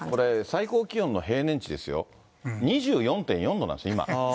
最高気温の平年値ですよ、２４．４度なんです、今。